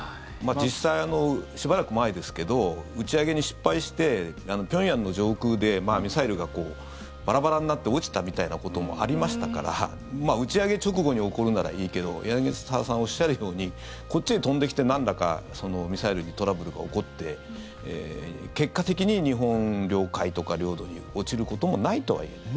実際、しばらく前ですけど打ち上げに失敗して平壌の上空でミサイルがバラバラになって落ちたみたいなこともありましたから打ち上げ直後に起こるならいいけど柳澤さんおっしゃるようにこっちへ飛んできてなんらかミサイルにトラブルが起こって結果的に日本領海とか領土に落ちることもないとは言えない。